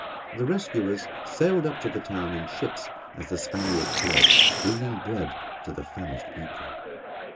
The rescuers sailed up to the town in ships as the Spaniards fled, bringing bread to the famished people.